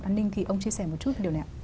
an ninh thì ông chia sẻ một chút về điều này ạ